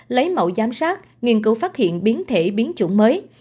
lấy mẫu giám sát nghiên cứu phát hiện biến thể biến chủng mới